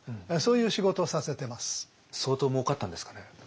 相当もうかったんですかね？